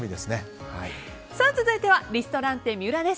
続いてはリストランテＭＩＵＲＡです。